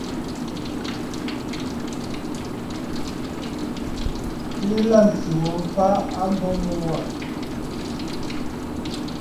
Keʼe lâmsì wa mfa a mbo mu wâ.